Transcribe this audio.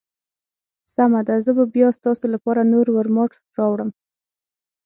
سمه ده، زه به بیا ستاسو لپاره نور ورماوټ راوړم.